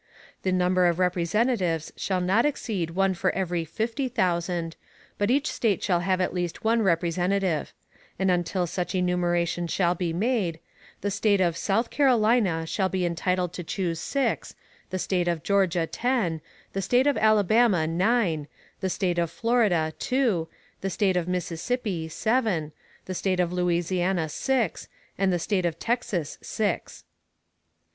The number of Representatives shall not exceed one for every fifty thousand, but each State shall have at least one Representative; and until such enumeration shall be made, the State of South Carolina shall be entitled to choose _six, the State of Georgia ten, the State of Alabama nine, the State of Florida two, the State of Mississippi seven, the State of Louisiana six, and the State of Texas six_.